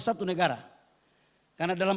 satu negara karena dalam